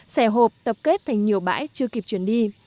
xe hộp tập kết thành nhiều bãi chưa kịp chuyển đi